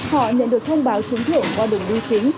họ nhận được thông báo trúng thưởng qua đường đu chính